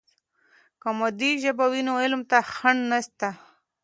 که مادي ژبه وي نو علم ته خنډ نسته.